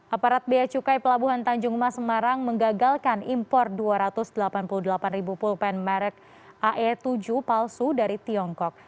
aparat biaya cukai pelabuhan tanjung mas semarang menggagalkan impor dua ratus delapan puluh delapan pulpen merek ae tujuh palsu dari tiongkok